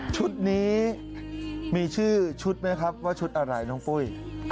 ชุดนี้มีชื่อชุดไหมครับว่าชุดอะไรน้องปุ้ย